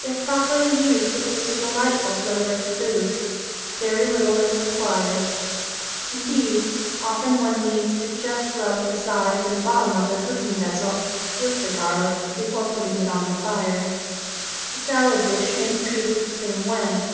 If properly used it gives a delightful flavor to food. Very little is required. Indeed, often one needs to just rub the sides and bottom of the cooking vessel with the garlic before putting it on the fire. The salad dish may be treated the same way.